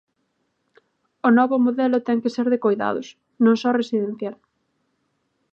O novo modelo ten que ser de coidados, non só residencial.